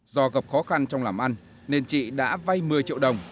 do gặp khó khăn trong làm ăn nên chị đã vay một mươi triệu đồng